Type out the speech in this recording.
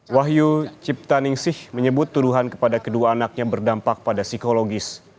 wahyu ciptaningsih menyebut tuduhan kepada kedua anaknya berdampak pada psikologis